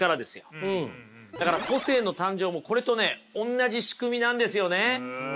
だから個性の誕生もこれとねおんなじ仕組みなんですよね。